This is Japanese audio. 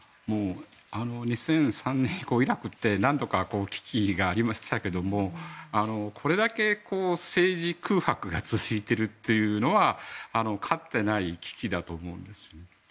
２００３年以降イラクって何度か危機がありましたがこれだけ政治空白が続いているというのはかつてない危機だと思うんです。